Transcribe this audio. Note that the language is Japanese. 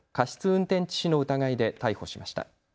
運転致死の疑いで逮捕しました。